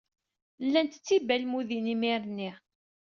Llant d tibalmudin imir-nni.